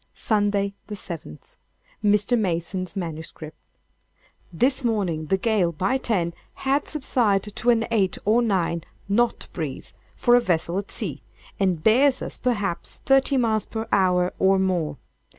"Sunday, the seventh. [Mr. Mason's MS.] This morning the gale, by 10, had subsided to an eight or nine—knot breeze, (for a vessel at sea,) and bears us, perhaps, thirty miles per hour, or more.